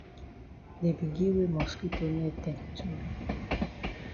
Dey be gi we mosquito net dem too.